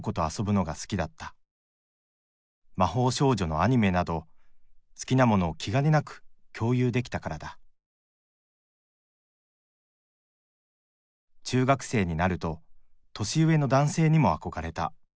魔法少女のアニメなど好きなものを気兼ねなく共有できたからだ中学生になると年上の男性にも憧れた。